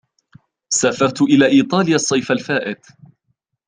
سافرت إلى إيطاليا الصيف الفائت.